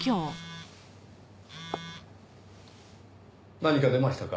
何か出ましたか？